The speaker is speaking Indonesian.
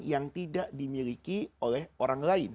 yang tidak dimiliki oleh orang lain